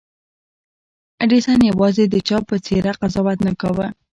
ايډېسن يوازې د چا په څېره قضاوت نه کاوه.